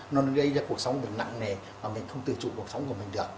nó gây ra cuộc sống mình nặng nề và mình không tự chủ cuộc sống của mình được